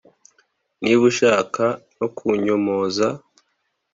niba ushaka no kunyomoza